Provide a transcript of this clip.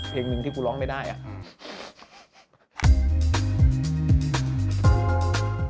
เพลงหนึ่งที่กูร้องไม่ได้อ่ะอืม